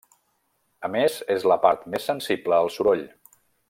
A més és la part més sensible al soroll.